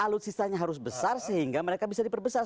alutsistanya harus besar sehingga mereka bisa diperbesar